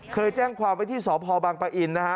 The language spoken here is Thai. เคยแจ้งความว่าที่สภบางปะอิน